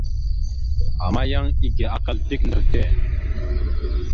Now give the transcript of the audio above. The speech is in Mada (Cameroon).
Ama yan ege akal dik ndar tte.